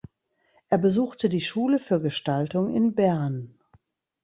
Er besuchte die Schule für Gestaltung in Bern.